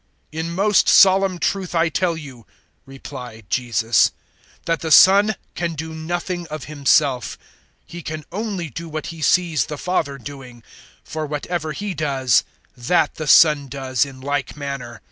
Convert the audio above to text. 005:019 "In most solemn truth I tell you," replied Jesus, "that the Son can do nothing of Himself He can only do what He sees the Father doing; for whatever He does, that the Son does in like manner.